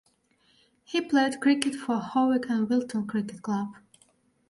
He played cricket for Hawick and Wilton cricket club.